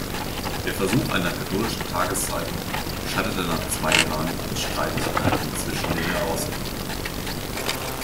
Der Versuch einer katholischen Tageszeitung scheiterte nach zwei Jahren an Streitigkeiten zwischen den Herausgebern.